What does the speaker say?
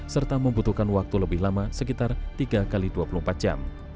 serta membutuhkan waktu lebih lama sekitar tiga x dua puluh empat jam